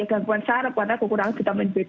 gangguan sarap karena kekurangan vitamin b dua belas